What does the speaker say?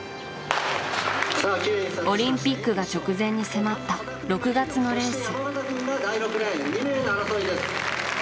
オリンピックが直前に迫った６月のレース。